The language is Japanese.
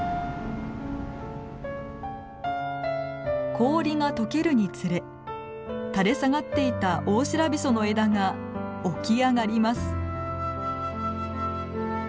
氷が溶けるにつれ垂れ下がっていたオオシラビソの枝が起き上がります。